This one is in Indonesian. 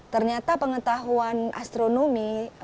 ternyata pengetahuan astronomi